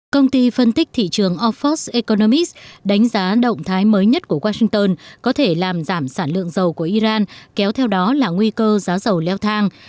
công ty phân tích thị trường orphos economics đánh giá động thái mới nhất của washington có thể làm giảm sản lượng dầu của iran kéo theo đó là nguy cơ giá dầu leo thang